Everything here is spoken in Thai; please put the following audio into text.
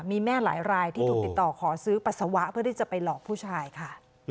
มีแม่หลายรายที่ถูกติดต่อขอซื้อปัสสาวะเพื่อที่จะไปหลอกผู้ชายค่ะ